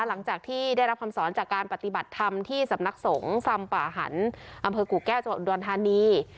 หลังจากที่ได้รับคำสอนจากการปฏิบัติธรรมที่สำนักสงฆ์ซำป่าหันอำเภอกู่แก้วจังหวัดอุดรธานี